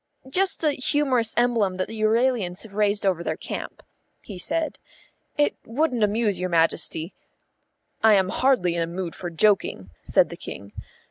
"Just a humorous emblem that the Euralians have raised over their camp," he said. "It wouldn't amuse your Majesty." "I am hardly in a mood for joking," said the King.